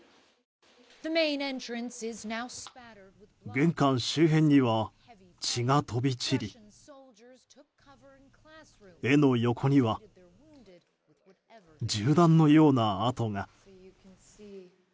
玄関周辺には血が飛び散り絵の横には銃弾のような跡が。